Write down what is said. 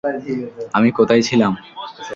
আমি কোথাই ছিলাম?